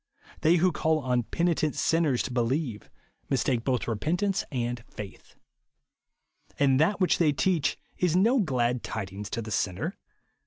They who call on "penitent sinners" to believe, mistake both repentance and faith; INSENSIBILITY. 167 and that which they teach is no glad tid ings to the sinner.